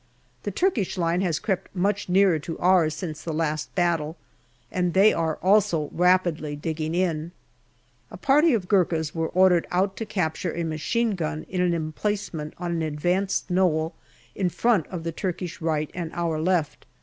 The Turkish line has crept much nearer to ours since the last battle, and they are also rapidly digging in. A party of Gurkhas were ordered out to capture a machine gun in an emplacement on an advanced knoll in front of the Turkish right and our left.